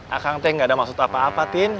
ah kang teh gak ada maksud apa apa tin